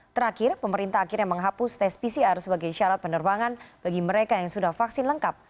terakhir pemerintah akhirnya menghapus tes pcr sebagai syarat penerbangan bagi mereka yang sudah vaksin lengkap